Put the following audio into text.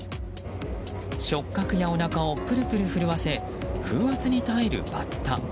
触角やおなかをプルプル震わせ風圧に耐えるバッタ。